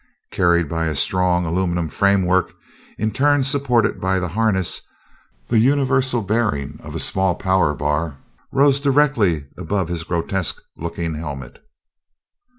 Carried by a strong aluminum framework in turn supported by the harness, the universal bearing of a small power bar rose directly above his grotesque looking helmet.